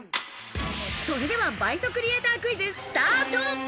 それでは倍速リエイタークイズ、スタート。